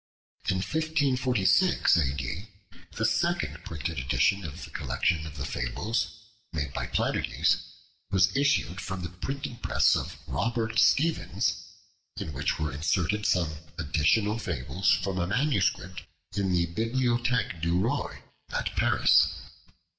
In 1546 A.D. the second printed edition of the collection of the Fables made by Planudes, was issued from the printing press of Robert Stephens, in which were inserted some additional fables from a MS. in the Bibliotheque du Roy at Paris.